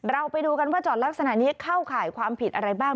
ไปดูกันว่าจอดลักษณะนี้เข้าข่ายความผิดอะไรบ้าง